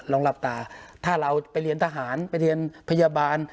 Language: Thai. หลับตาถ้าเราไปเรียนทหารไปเรียนพยาบาล